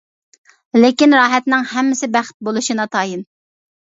لېكىن، راھەتنىڭ ھەممىسى بەخت بولۇشى ناتايىن.